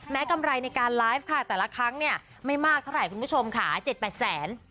กำไรในการไลฟ์ค่ะแต่ละครั้งเนี่ยไม่มากเท่าไหร่คุณผู้ชมค่ะ๗๘แสน